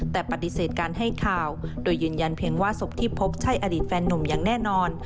แต่ปฏิเสธการให้ข่าวโดยยืนยันเพียงว่าศพที่พบใช่อดีตแฟนนุ่มอย่างแน่นอน